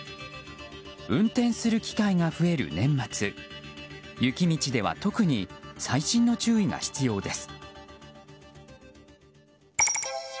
運転する機会が増える年末雪道では特に細心の注意が必要です。